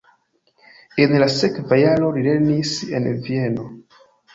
En la sekva jaro li lernis en Vieno.